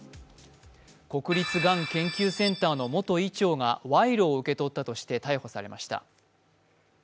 国立がん研究センターの元医長が賄賂を受け取ったとして逮捕されました。